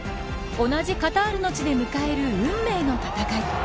同じカタールの地で迎える運命の戦い。